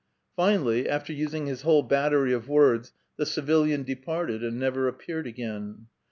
Finally, after using his whole battery of words, the civil ian departed, and never appeared again.